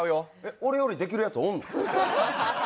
俺よりできるやつ、おんの？